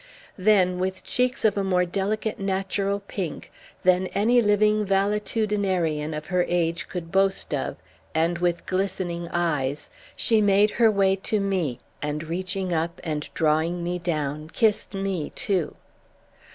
Then, with cheeks of a more delicate natural pink than any living valetudinarian of her age could boast of, and with glistening eyes, she made her way to me, and reaching up and drawing me down, kissed me, too.